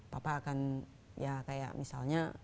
papa akan ya kayak misalnya